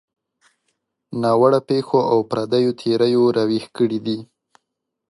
ناوړه پېښو او پردیو تیریو راویښ کړي دي.